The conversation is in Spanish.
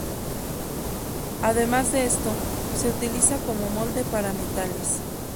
Además de esto, se utiliza como molde para metales.